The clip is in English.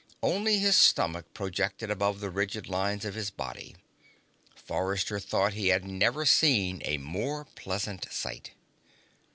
Only his stomach projected above the rigid lines of his body. Forrester thought he had never seen a more pleasing sight.